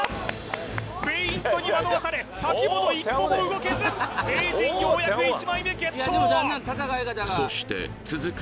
フェイントに惑わされ瀧本一歩も動けず名人ようやく１枚目ゲットそして続く